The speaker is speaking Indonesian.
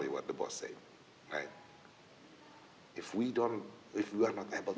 itu adalah hal yang biasanya dikatakan oleh bos